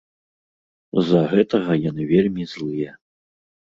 З-за гэтага яны вельмі злыя.